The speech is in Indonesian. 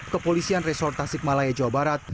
kepolisian resort tasik malaya jawa barat